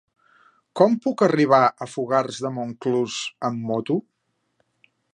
Com puc arribar a Fogars de Montclús amb moto?